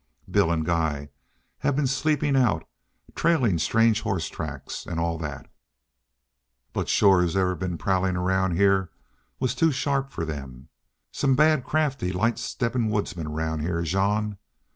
Bill an' Guy have been sleepin' out, trailin' strange hoss tracks, an' all that. But shore whoever's been prowlin' around heah was too sharp for them. Some bad, crafty, light steppin' woodsmen 'round heah, Jean....